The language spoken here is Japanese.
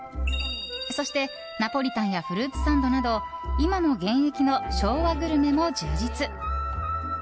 そしてナポリタンやフルーツサンドなど今も現役の昭和グルメも充実。